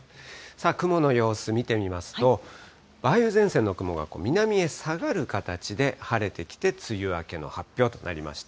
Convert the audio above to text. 雲の様子、見てみますと、梅雨前線の雲が南へ下がる形で、晴れてきて、梅雨明けの発表となりました。